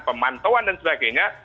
pemantauan dan sebagainya